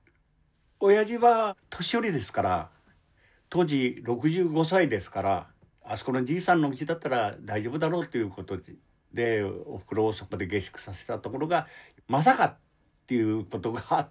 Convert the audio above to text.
当時６５歳ですから。あそこのじいさんのうちだったら大丈夫だろうということでおふくろをそこで下宿させたところが「まさか」ということがあって。